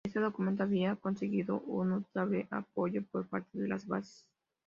Este documento había conseguido un notable apoyo por parte de las bases.